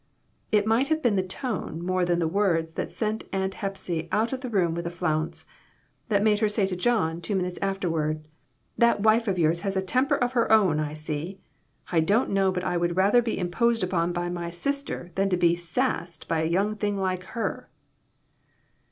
It might have been the tone more than the words that sent Aunt Hepsy out of the room with a flounce ; that made her say to John, two min utes afterward "That wife of yours has a tem per of her own, I see. I don't know but I would rather be imposed upon by my sister than to be 'sassed' by a young thing like her."